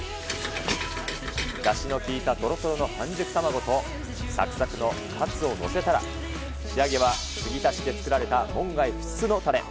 だしの効いたとろとろの半熟卵とさくさくのカツを載せたら、仕上げは継ぎ足しで作られた門外不出のたれ。